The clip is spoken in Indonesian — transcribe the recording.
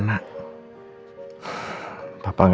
minimal aku udah tau sekarang kamu dimana nak